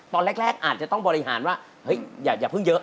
ตอนแรกอาจจะต้องบริหารว่าเฮ้ยอย่าเพิ่งเยอะ